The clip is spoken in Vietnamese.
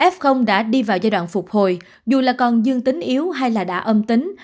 f đã đi vào giai đoạn phục hồi dù là còn dương tính yếu hay là đã âm tính